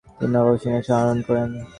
তিনি নবাব সিংহাসনে আরোহণ করেন।